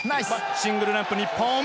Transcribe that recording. シングルランプ、日本。